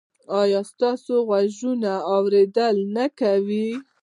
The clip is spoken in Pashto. ایا ستاسو غوږونه اوریدل نه کوي؟